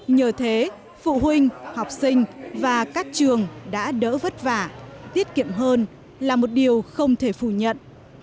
nhờ thế phụ huynh học sinh và các trường đã đỡ vất vả tiết kiệm hơn là một điều không thể phủ nhận